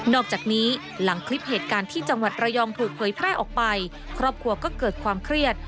อกจากนี้หลังคลิปเหตุการณ์ที่จังหวัดระยองถูกเผยแพร่ออกไปครอบครัวก็เกิดความเครียด